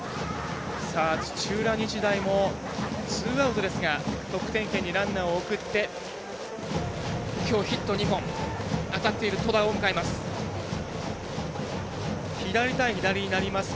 土浦日大もツーアウトですが得点圏にランナーを送ってきょう、ヒット２本当たっている戸田を迎えます。